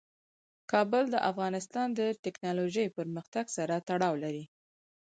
کابل د افغانستان د تکنالوژۍ پرمختګ سره تړاو لري.